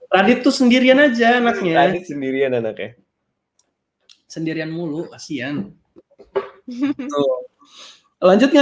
radit tuh sendirian aja anaknya sendirian anak ya sendirian mulu kasihan lanjutnya